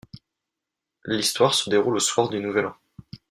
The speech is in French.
L'histoire se déroule au soir du Nouvel An.